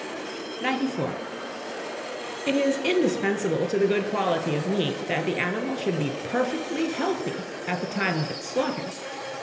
94. IT IS INDISPENSABLE TO THE GOOD QUALITY OF MEAT, that the animal should be perfectly healthy at the time of its slaughter.